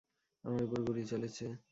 আমার উপর গুলি চলেছে।